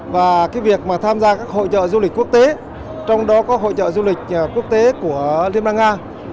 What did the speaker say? và cái việc mà tham gia các hội trợ du lịch quốc tế trong đó có hội trợ du lịch quốc tế của liên bang nga